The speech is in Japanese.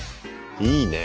いいね。